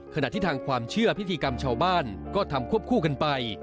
ขณะที่ทางความเชื่อพิธีกรรมชาวบ้านก็ทำควบคู่กันไป